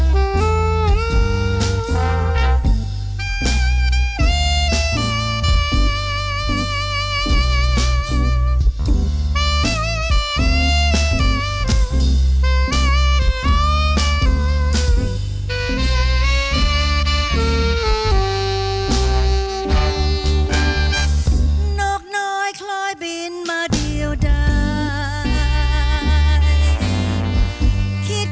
นกน้อยคลอยบินมาเดียวได้